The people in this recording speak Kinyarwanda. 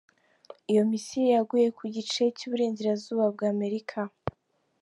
Iyo missile yaguye ku gice cy’ uburengerazuba bw’ Amerika.